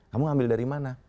kamu ambil dari mana